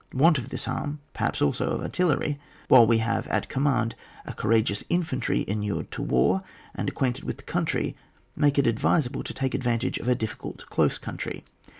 Want of this arm, perhaps also of artillery, while we have at command a courageous infantry inured to war, and acquainted with the country, make it ad visable to take advantage of a difficult, close country.